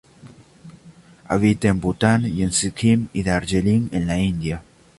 Habita en Bután y en Sikkim y Darjeeling en la India.